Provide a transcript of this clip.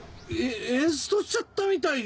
エエンストしちゃったみたいで。